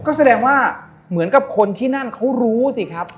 ก็แสดงว่าเหมือนกับคนที่นั่นเขารู้สิครับ